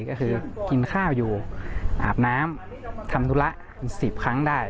ก็คือกินข้าวอยู่อาบน้ำทำธุระ๑๐ครั้งได้